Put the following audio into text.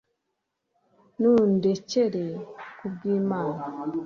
nundekere, ku bw'imana